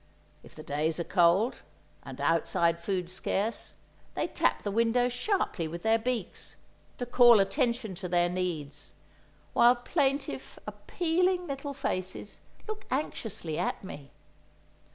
If the days are cold, and outside food scarce, they tap the window sharply with their beaks, to call attention to their needs, while plaintive, appealing little faces look anxiously at me.